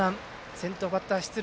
先頭バッター出塁。